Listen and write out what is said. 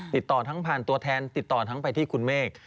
ติดต่อทั้งผ่านตัวแทนติดต่อทั้งไปที่คุณเมฆ